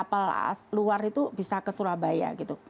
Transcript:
untuk beberapa kapal luar itu bisa ke surabaya